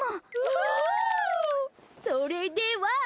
それでは！